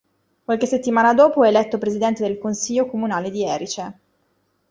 Qualche settimana dopo è eletto presidente del consiglio comunale di Erice.